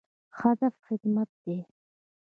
هدف خدمت دی